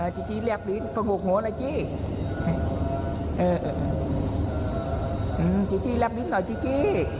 จิ๊จิรับลิ้นพรมหัวหน่อยจิจิจิรับลิ้นหน่อยจิจิ